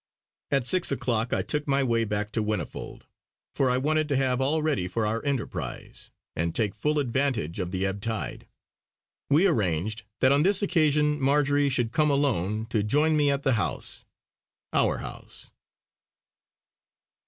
At six o'clock I took my way back to Whinnyfold; for I wanted to have all ready for our enterprise, and take full advantage of the ebb tide. We arranged that on this occasion Marjory should come alone to join me at the house our house.